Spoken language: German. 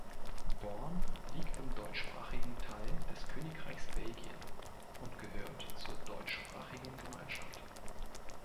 Born liegt im deutschsprachigen Teil des Königreichs Belgien und gehört zur Deutschsprachigen Gemeinschaft.